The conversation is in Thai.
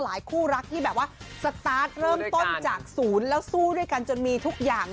คู่รักที่แบบว่าสตาร์ทเริ่มต้นจากศูนย์แล้วสู้ด้วยกันจนมีทุกอย่าง